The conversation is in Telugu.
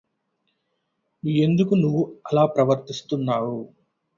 ఎందుకు నువ్వు అలా ప్రవర్తిస్తున్నావు?